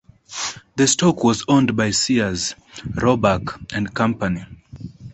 The stock was owned by Sears, Roebuck and Company.